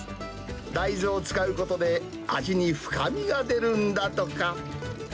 大豆を使うことで、味に深みが出るんだとか。